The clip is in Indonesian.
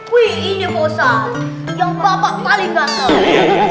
wih ini bosan yang bapak paling gatel